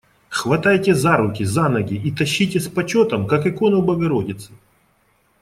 Хватайте за руки, за ноги и тащите с почетом, как икону богородицы.